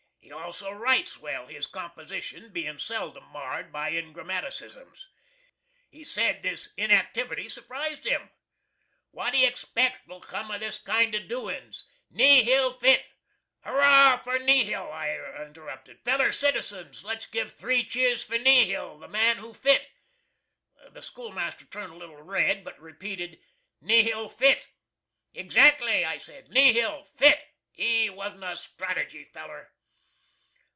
He also writes well, his composition bein' seldom marred by ingrammatticisms. He said this inactivity surprised him. "What do you expect will come of this kind of doin's? Nihil fit " "Hooray for Nihil!" I interrupted. "Fellow citizens, let's giv three cheers for Nihil, the man who fit!" The schoolmaster turned a little red, but repeated "Nihil fit." "Exactly," I said. "Nihil FIT. He wasn't a strategy feller."